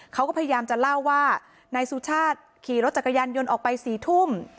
เขาก็พยายามจะเล่าว่านายสุชาติขี่รถจักรยานยนต์ออกไป๔ทุ่ม